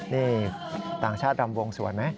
นี่ต่างชาติรำวงสวนไหม